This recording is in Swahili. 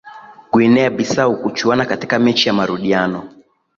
guinea bissau kuchuana katika mechi ya marudiano